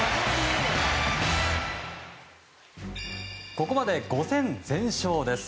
ここまで５勝全勝です。